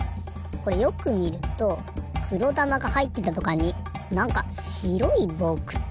これよくみるとくろだまがはいってたどかんになんかしろいぼうくっついてますね。